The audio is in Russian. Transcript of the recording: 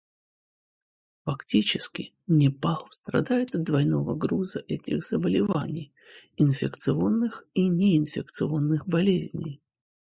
Фактически, Непал страдает от двойного груза этих заболеваний — инфекционных и неинфекционных болезней.